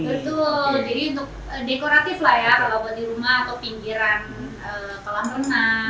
betul jadi untuk dekoratif lah ya kalau buat di rumah atau pinggiran kolam renang